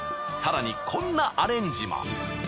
更にこんなアレンジも。